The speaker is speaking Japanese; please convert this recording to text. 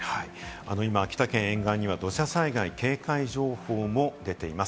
今、秋田県沿岸には土砂災害警戒情報も出ています。